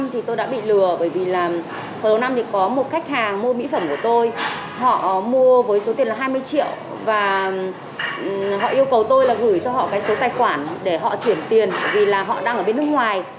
họ mua với số tiền là hai mươi triệu và họ yêu cầu tôi là gửi cho họ cái số tài khoản để họ chuyển tiền vì là họ đang ở bên nước ngoài